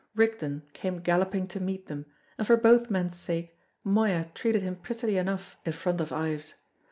Rigden came galloping to meet them, and for both men's sake Moya treated him prettily enough in front of Ives.